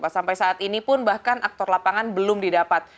sampai saat ini pun bahkan aktor lapangan belum didapat